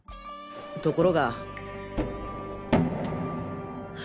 ところが。